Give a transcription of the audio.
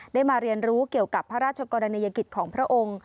ได้มาเรียนรู้เกี่ยวกับพระราชกรณียกิจของพระองค์